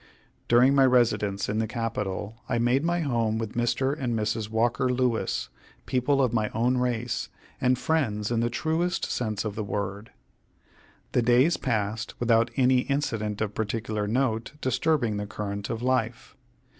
During my residence in the Capital I made my home with Mr. and Mrs. Walker Lewis, people of my own race, and friends in the truest sense of the word. The days passed without any incident of particular note disturbing the current of life.